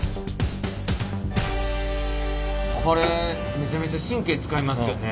これめちゃめちゃ神経使いますよね？